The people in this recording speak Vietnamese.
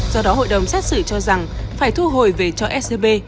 do đó hội đồng xét xử cho rằng phải thu hồi về cho scb